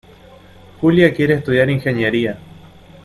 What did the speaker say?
Julia quiere estudiar ingeniería.